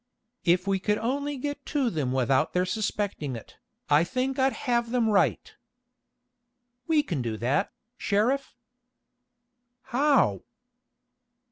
If we could only get to them without their suspecting it, I think I'd have them right." "We can do that, Sheriff." "How?"